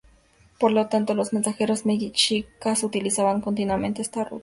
Por lo tanto, los mensajeros mexicas utilizaban continuamente esta ruta.